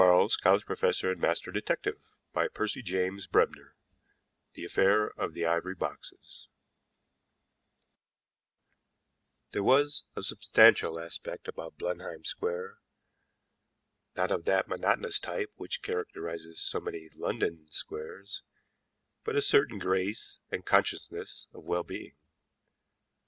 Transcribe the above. THE SEARCH FOR THE MISSING FORTUNE 280 CHRISTOPHER QUARLES CHAPTER I THE AFFAIR OF THE IVORY BOXES There was a substantial aspect about Blenheim Square, not of that monotonous type which characterizes so many London squares, but a certain grace and consciousness of well being.